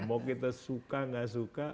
mau kita suka nggak suka